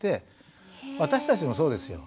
私たちもそうですよ。